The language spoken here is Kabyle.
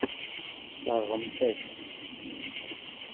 Tesseṛɣemt-as-t.